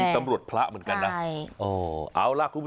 เขาเป็นตำรวจพระเหมือนกันนะ